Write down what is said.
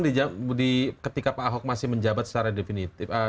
tapi memang ketika pak ahok masih menjabat secara definitif